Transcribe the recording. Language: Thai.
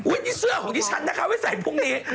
นี่เสื้อของดิฉันนะคะไว้ใส่พรุ่งนี้